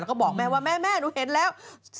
แล้วก็บอกแม่ว่าแม่หนูเห็นแล้ว